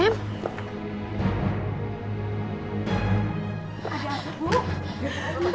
ada apa bu